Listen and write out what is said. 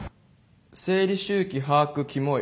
「生理周期把握キモい」。